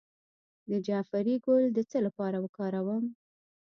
د جعفری ګل د څه لپاره وکاروم؟